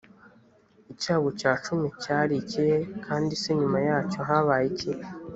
icyago cya cumi cyari ikihe kandi se nyuma yacyo habaye iki .